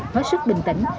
hết sức bình tĩnh